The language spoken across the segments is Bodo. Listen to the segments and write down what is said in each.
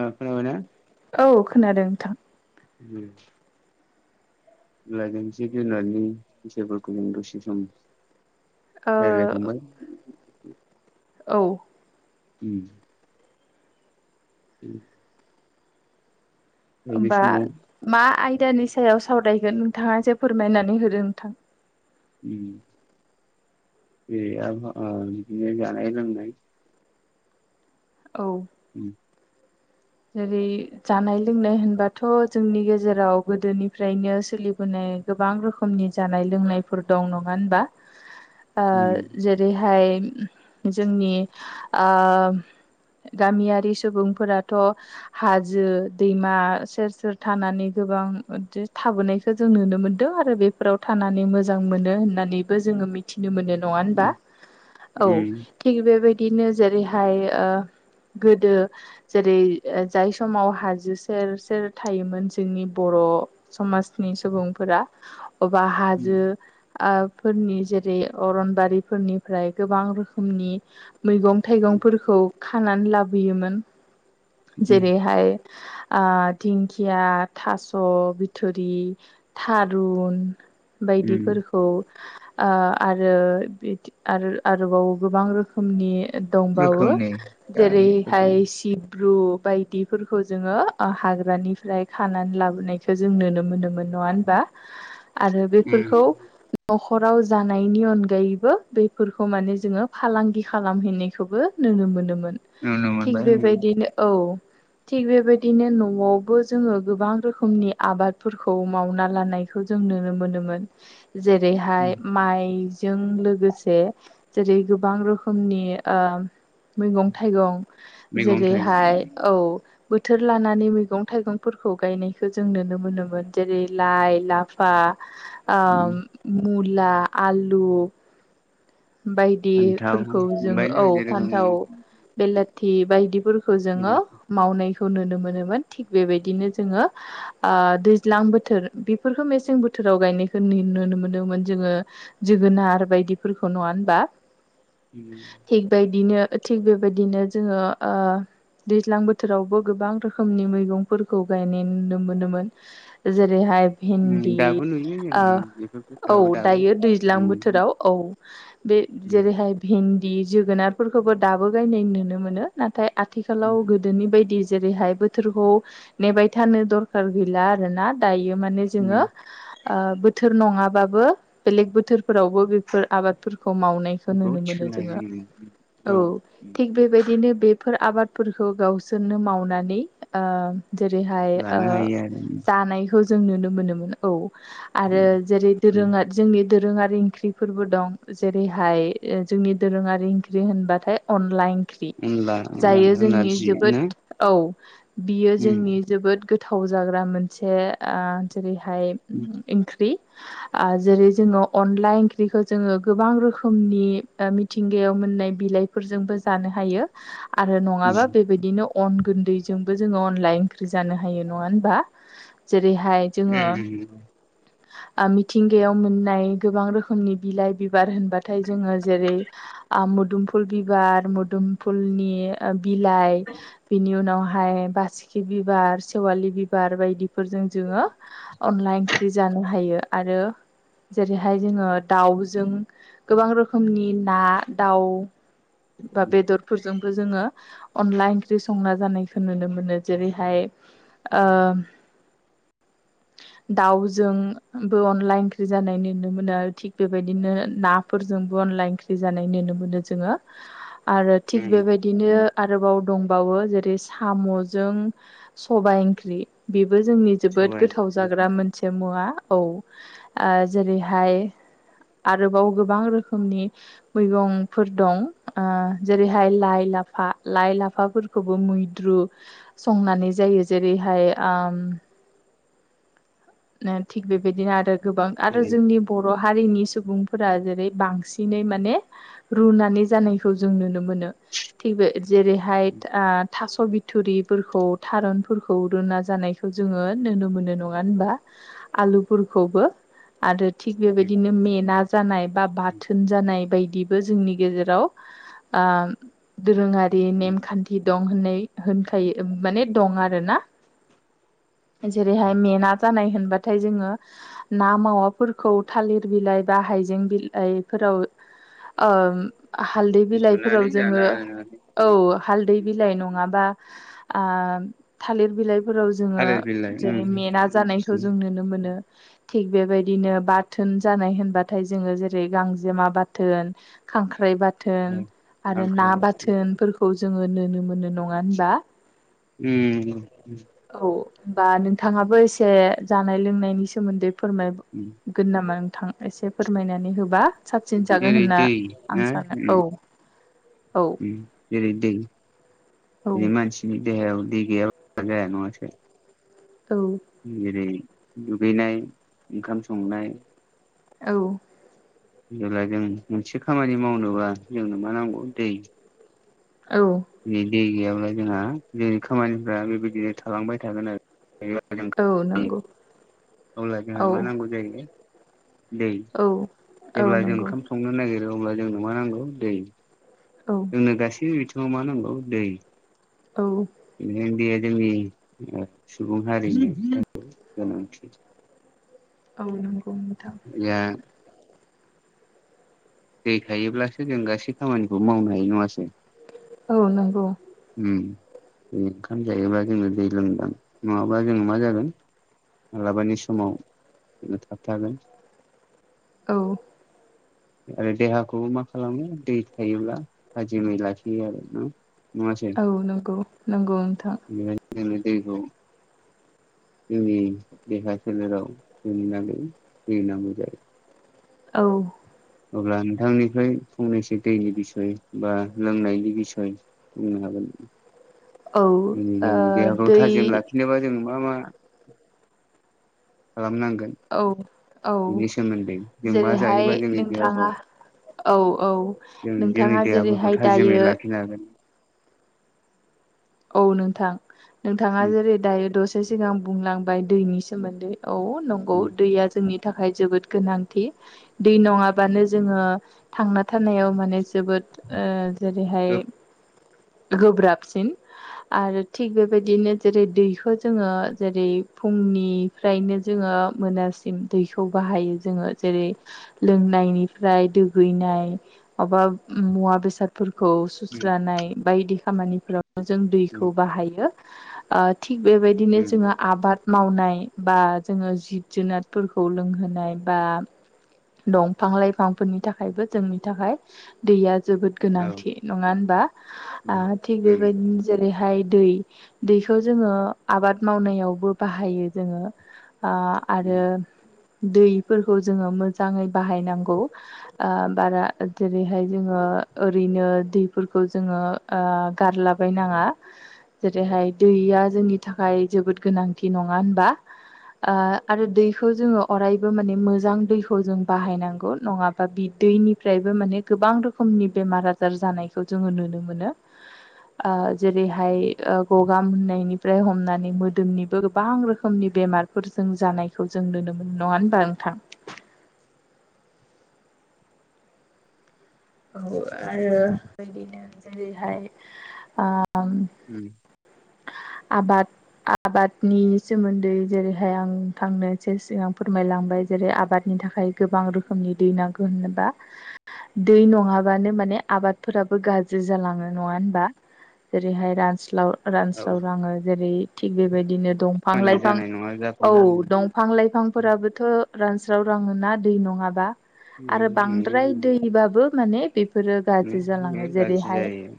ओ खोनाबायना? औ खोनादों नोंथां। उम [unintelligible] ओ रायलायखांबाय औ। उम उम बे होमबा समाव मा आयदानि सायाव सावरायगोन नोंथाङा जे फोरमायनानै होदो नोंथां। [unintelligible] बिदिनो जानाय लोंनाय औ। उम जेरै जानाय लोंनाय होनबाथ' जोंनि गेजेराव गोदोनिफ्रायनो सोलिबोनाय गोबां रोखोमनि जानाय लोंनायफोर दं नङा होनबा? [inaudible] ओ जेरैहाय जोंनि ओ गामियारि सुबुंफोराथ' हाजो दैमा सेर -सेर थानानै गोबां बिदि थाबोनायखौ जों नुनो मोनदों आरो बे फोराव थानानै मोजां मोनो होननानैबो जोङो मिथिनो मोनो नङा होनबा औ उम थिग बेबायदिनो जेरैहाय ओ गोदो जेरै जाय समाव हाजो सेर- सेर थायोमोन जोंनि बर' समाजनि सुबुंफोरा अबा उम हाजो फोरनि जेरै अरनबारिफोरनिफ्राय गोबां रोखोमनि मैगं थाइगंफोरखौ खानानै लाबोयोमोन उम जेरैहाय दिंखिया थास' बिथुरि थारुन बायदि उम फोरखौ ओ आरो आरोबाव गोबां रोखोमनि दंबावो रोखोमनि जानायफोर दं जेरैहाय सि सिब्रु बायदिफोरखौ जोङो हाग्रानिफ्राय खानानै लाबोनायखौ जों नुनो मोनोमोन नङा होनबा? [inaudible] आरो उम बेफोरखौ न'खराव जानायनि अनगायैबो बेफोरखौ माने जोङो फालांगि खालामहैनायखौबो नुनो मोनोमोन नुनो मोनबाय थिग आं उम बेबायदिनो औ थिग बेबायदिनो न'आवबो जोङो गोबां रोखोमनि आबादफोरखौ मावना लानायखौ जों नुनो मोनोमोन जेरैहाय माइजों लोगोसे जेरै गोबां रोखोमनि ओ मैगं थाइगं मैगं थाइगं जेरैहाय औ बोथोर लानानै मैगं थाइगंफोरखौ गायनायखौ जों नुनो मोनोमोन जेरै लाइ लाफा [inaudible] ओ मुला आलु फान्थाव बायदिफोरखौ जोङो औ मोनबायनो जेरै फान्थाव उम बेलाथि बायदिफोरखौ खौ जोङो मावनायखौ नुनो मोनोमोन थिग बेबायदिनो जोङो दैज्लां बोथोर बेफोरखौ मेसें बोथोराव गायनायखौ नुनो मोन्दोंमोन जोङो जोगोनार बायदिफोरखौ नङा होनबा उम थिग बायदिनो थिग बेबायदिनो जोङो ओ दैज्लां बोथोरावबो गोबां रोखोमनि मैगंफोरखौ गायनाय नुनो मोनोमोन जेरैहाय भिन्दि दाबो नुयो जों बेफोरखौ औ दाबो दाबो दायो दैज्लां उम बोथोराव औ बे उम जेरैहाय भिन्दि जोगोनारफोरखौबो दाबो गायनाय नुनो मोनो नाथाय आथिखालाव गोदोनि बायदि जेरैहाय बोथोरखौ नेबाय थानो दरखार गैला आरोना दायो माने उम जोङो बोथोर नङाबाबो बेलेग बोथोरफोरावबो बेफोर आबादफोरखौ मावनाय बेखौ नुनो मोनो जोङो थिखोनानै औ थिग बेबायदिनो बेफोर आबादफोरखौ गावसोरनो मावनानै जेरैहाय आ लानो हायो आरो जानायखौ जों नुनो मोनोमोन औ आरो जेरै दोरोङारि जोंनि दोरोङारि ओंख्रिफोरबो दं जेरैहाय जोंनि दोरोङारि ओंख्रि होनबाथाय अनला इंख्रि अनला जायो अनला जोंनि नारजि ना जोबोद औ बियो उम जोंनि जोबोद गोथाव जाग्रा मोनसे आ जेरैहाय ओंख्रि आ जेरै जोङो अनला ओंख्रिखौ जोङो गोबां रोखोमनि मि मिथिंगायाव मोननाय बिलाइफोरजोंबो जानो हायो आरो नङाबा उम बे बिदिनो अन गुन्दैजोंबो जोङो अनलाइ ओंख्रि जानो हायो नङा होनबा जेरैहाय जोङो [inaudible] आ मिथिंगायाव मोननाय गोबां रोखोमनि बिलाइ बिबार होनबाथाय जोङो जेरै आ मुदुमफुल बिबार मुदुमफुलनि बिलाइ बिनि उनावहाय बासिखि बिबार सेवालि बिबार बायदि फोरजों जोङो अनला एख्रि जानो हायो आरो जेरैहाय जोङो दाउजों गोबां रोखोमनि ना दाउ बा बेदरफोरजोंबो जोङो अनला ओंख्रि संना जानायखौ नुनो मोनो जेरैहाय दाउजों बो अनला इंख्रि जानाय नोनो मोनो थिग बेबायदिनो ना फोरजोंबो अनला ओंख्रि जानाय नोनो मोनो जोङो [inaudible] आरो थिग बेबायदिनो आरोबाव दंबावो जेरै साम'जों सबाय ओंख्रि बेबो जोंनि जोबोद सबाय गोथाव ओंख्रि जाग्रा मोन थि मुवा औ आ जेरैहाय आरोबाव गोबां रोखोमनि मैगंफोर दं जेरैहाय ओ लाइ लाफा लाइ लाफा खौबो मैद्रु संनानै जायो जेरैहाय आम थिग बेबायदिनो आरो गोबां आरो जेरै जोंनि बर' हारिनि सुबुंफोरा जेरै बांसिनै माने रुनानै जानायखौ जों नुनो मोनो थिग बे जेरैहाय थास' बिथरिफोरखौ थारुनफोरखौ रुना जानायखौ जोङो नोनो मोनो नङा होनबा आलुफोरखौबो आरो थिग बेबायदिनो मेना जानाय बा बाथोन जानाय बायदिबो जोंनि गेजेराव आ दोरोङा दि नेमखान्थि दं होननाय होनखायो माने दं आरोना। जेरैहाय मेना जानाय होनबाथाय जोङो ना मावाफोरखौ थालिर बिलाइ बा हायजें बिलाइफोराव ओ हालदै बिलाइफोराव रुनानै जानो जोङो आरोना औ हालदै बिलाइ नङाबा आ थालिर बिलाइ फोराव जोङो थालिर बिलाइ उम जेरै मेना जानायखौ जों नुनो मोनो‌ थिग बेबायदिनो बाथोन जानाय होनबाथाय जोङो जेरै गांजेमा बाथोन खांख्राइ बाथ थोन आरो ना खांख्राइ बाथोन बाथोनफोरखौ जोङो नोनो मोनो। नङा होनबा? उम बा औ बा नोंथाङाबो ए से जानाय लोंनायनि सोमोन्दै फोरमाय उम गोन नामा नोंथां? एसे फोरमायनानै होबा साबसिन जागोन जेरै होनना दै ना आं सानो उम औ। औ उम जेरै दै औ मा [unintelligible] औ जेरै दुगैनाय ओंखाम संनाय औ जेब्ला जों मोनसे खामानि मावनोबा जोंनो मा नांगौ दै। औ दिनै दै गैयाब्ला जोंहा जेरै खामानिफ्रा बेबायदिनो थालांबाय थागोन आरो। औ नंगौ अब्ला औ जोंहा मा नांगौ जाहै दै औ औ जेब्ला जों नंगौ ओंखाम संनो नागिरो अब्ला जोंनो मा नांगौ दै। औ जोंनो गासैबो बिथिङाव मा नांगौ दै। औ बेनिखायनो दैया जोंनि सुबुं हारिनि गोनांथि औ नंगौ नोंथां। [unintelligible] दै थायोब्लासो जों गासै खामानिखौ मावनो हायो नङासै? औ नंगौ। उम ओंखाम जायोबा जोङो दै लोंदां नङाबा जोङो मा जागोन मालाबानि समाव बिनो थाबथागोन। औ आरो देहाखौबो मा खालामो दै थायोब्ला थाजिमै लाखियो आरो ना। मनङासै? औ नंगौ नंगौ नोंथां बेनिखायनो जोंनो दैखौ जोंनि देहा सोलेराव जोंनो [unintelligible] नांगौ जायो। औ अब्ला नोंथांनिफ्राय फंनैसो दैनि बिसय बा लोंनायनि बिसय बुंनो हागोन औ ओ जोंनि जोंनि देहाफ्राव दै थाजिम लाखिनोबा जों मा मा खालामनांगोन औ औ बेनि सोमोन्दै जों मा जेरैहाय जायोबा जोंनि देहाखौ नोंथाङा औ औ जों जोंनि नोंथाङा देहाफोरखौ जेरैहाय दायो [unintelligible] औ नोंथां नोंथाङा उम जेरै दायो दसे सिगां बुंलांबाय दैनि सोमोन्दै औ नंगौ उम दैया जोंनि थाखाय जोबोद गोनांथि। दै नङाबानो जोङो थांना थानायाव माने जोबोद ओ जेरैहाय गोब गोब्राबसिन आरो थिग बेबायदिनो जेरै दैखौ जोङो जेरै फुंनि फ्रायनो जोङो मोनासिम दैखौ बाहायो जोङो जेरै लोंनायनिफ्राय दुगैनाय माबा मुवा बेसादफोरखौ सुस्रानाय बायदि खामानिफोरावनो जों उम दैखौ उम बाहायो। थिग बेबायदिनो उम जोङो आबाद मावनाय बा जोङो जिब जुनारफोरखौ लोंहोनाय बा दंफां लाइफांफोरनि थाखायबो जोंनि थाखाय दैया जोबोद औ गोनांथि नङा होनबा उम थिग उम बेबायदिनो जेरैहाय दै दैखौ जोङो आबाद मावनायावबो बाहायो जोङो। आरो उम दैफोरखौ जोङो मोजाङै बाहायनांगौ। बारा जेरैहाय जोङो ओरैनो दैफोरखौ जोङो गारलाबाय नाङा जेरैहाय दैया जोंनि थाखाय जोबोद गोनांथि नङा होनबा। आरो दैखौ जोङो अरायबो माने मोजां दै खौ जों बाहायनांगौ नङाबा बि दैनिफ्रायबो माने गोबां रोखोमनि बेमारा आजार जानायखौ जोङो नुनो मोनो। जेरैहाय गगा होननायनिफ्राय हमनानै मोदोमनिबो गोबां रोखोम समनि बेमारफोरजों जानायखौ जों नुनो मोन नङा होनबा नोंथां। औ आरो बिदिनो जेरैहाय उम आबाद आबादनि सोमोन्दै जेरैहाय आं थांनोससे सिगां फोरमायलांबाय जेरै आबादनि थाखाय गोबां रोखोमनि दै नांगौ होनोबा दै नङाबानो माने आबादफोराबो गाज्रि जालाङो नङा होनबा जेरैहाय रानस औ रानस्लाव रङो जेरै थिग बेबायदिनो दं फां खामानिया लाइफां जानाय नङा औ जाफुंनाय उम दं फां लाइफांफोराबोथ' रानस्राव राङ ना दै नङाबा आरो नंगौ बांद्राय दैबाबो माने बे फोरो गाज्रि जालाङो उम गाज्रि जेरैहाय जायो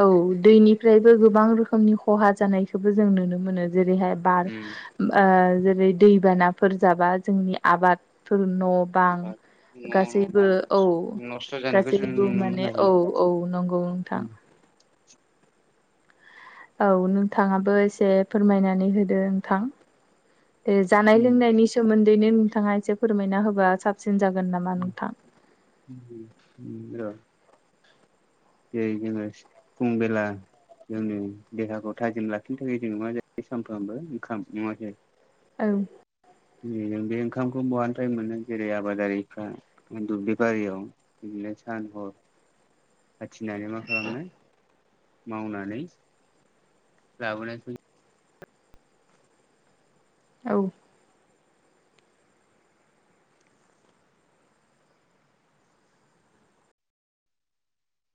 औ दैनिफ्रायबो गोबां रोखोमनि खहा जानायखौबो जों नुनो मोनो जेरैहाय बार उम जेरै दैबानाफोर जाबा जोंनि आबादफोर न' बां आबाद न' न' गासैबो बां औ नस्थ' जानायखौ जों गासैबो नुनो माने मोनो औ आरो औ नंगौ नोंथां। उम औ नोंथाङाबो एसे फोरमायनानै होदो नोंथां। ए जानाय उम लोंनायनि सोमोन्दैनो नोंथाङा एसे फोरमायना होबा साबसिन जागोन नामा नोंथां? औ ज जङो फुं बेला जोंनि देहाखौ थाजिम लाखिनो थाखाय जों मा जायो सानफ्रामबो ओंखाम नङा जायो? औ जों बे ओंखामखौ बहानिफ्राय मोनो जेरै आबादारिफ्रा दुब्लि बारियाव बिदिनो सान हर हथिनानै मा खालामनो मावनानै लाबोनाय फै औ